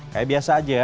kayak biasa aja ya